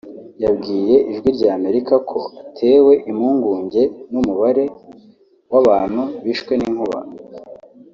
yabwiye Ijwi rya Amerika ko atewe impungunge n’umubare w’abantu bishwe n’inkuba